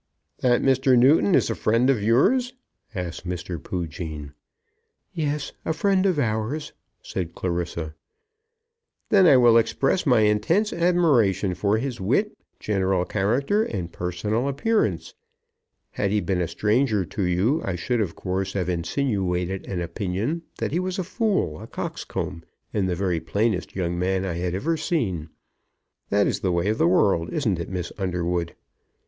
"That Mr. Newton is a friend of yours?" asked Mr. Poojean. "Yes; a friend of ours," said Clarissa. "Then I will express my intense admiration for his wit, general character, and personal appearance. Had he been a stranger to you, I should, of course, have insinuated an opinion that he was a fool, a coxcomb, and the very plainest young man I had ever seen. That is the way of the world, isn't it, Miss Underwood?"